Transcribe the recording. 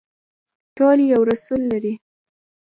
ټول یو رسول لري